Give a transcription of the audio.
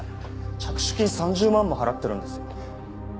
着手金３０万も払ってるんですよ。